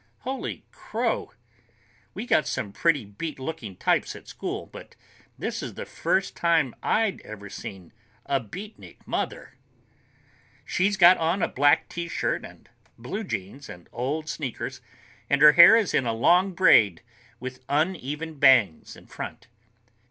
Holy crow! We got some pretty beat looking types at school, but this is the first time I've ever seen a beatnik mother. She's got on a black T shirt and blue jeans and old sneakers, and her hair is in a long braid, with uneven bangs in front.